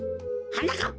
はなかっ